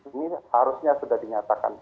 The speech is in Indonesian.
ini harusnya sudah dinyatakan